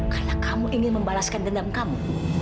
karena kamu ingin membalaskan dendam kamu